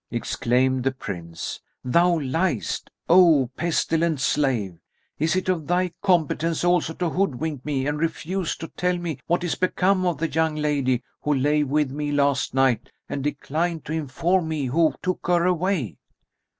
Exclaimed the Prince, "Thou liest, O pestilent slave!: is it of thy competence also to hoodwink me and refuse to tell me what is become of the young lady who lay with me last night and decline to inform me who took her away?"